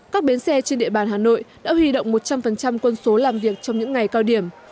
các bến xe trên địa bàn hà nội đã huy động một trăm linh quân số làm việc trong những ngày cao điểm